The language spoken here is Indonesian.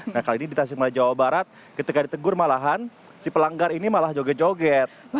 nah kali ini di tasikmalaya jawa barat ketika ditegur malahan si pelanggar ini malah joget joget